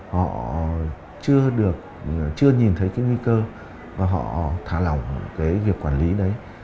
họ chưa được chưa nhìn thấy cái nguy cơ và họ thả lỏng cái việc quản lý đấy